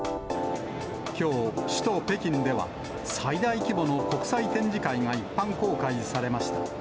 きょう、首都北京では、最大規模の国際展示会が一般公開されました。